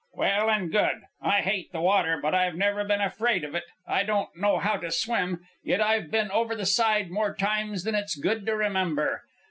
"Well and good. I hate the water, but I've never been afraid of it. I don't know how to swim, yet I've been over the side more times than it's good to remember.